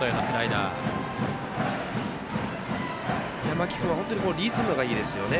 間木君はリズムがいいですよね。